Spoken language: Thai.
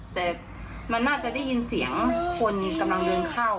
แต่มันน่าจะได้ยินเสียงคนกำลังเดินเข้า